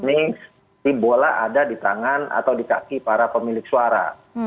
ini si bola ada di tangan atau di kaki para pemilik suara